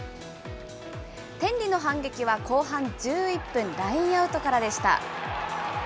天理の反撃は後半１１分、ラインアウトからでした。